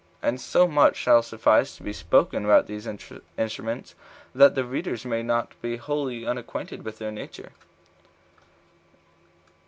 And so much shall suffice to be spoken by us about these instruments, that the readers may not be wholly unacquainted with their nature.